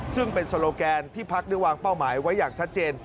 ซึ่งเป็นโซโลแกนที่พักได้วางเป้าหมายไว้อย่างชัดเจน